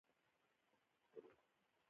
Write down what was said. نن مې د کور د اوبو پایپ تنظیم کړ.